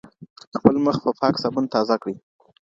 خپل مخ په پاکه صابون تازه کړئ.